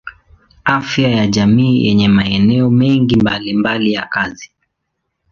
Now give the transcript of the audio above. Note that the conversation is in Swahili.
Afya ya jamii yenye maeneo mengi mbalimbali ya kazi.